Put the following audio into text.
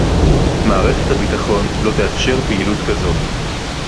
מערכת הביטחון לא תאפשר פעילות כזאת